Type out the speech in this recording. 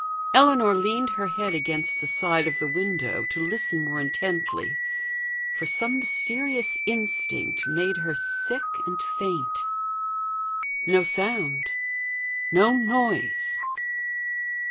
Ellinor leaned her head against the side of the window to listen more intently, for some mysterious instinct made her sick and faint. No sound no noise.